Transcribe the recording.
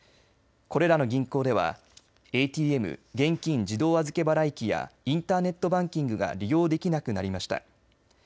これらの銀行ではＡＴＭ＝現金自動預け払い機やインターネットバンキングが利用できなくなりました。